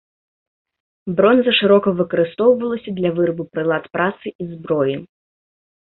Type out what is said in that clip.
Бронза шырока выкарыстоўвалася для вырабу прылад працы і зброі.